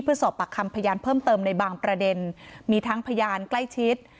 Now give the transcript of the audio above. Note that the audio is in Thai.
เพื่อสอบปากคำพยานเพิ่มเติมในบางประเด็นมีทั้งพยานใกล้ชิด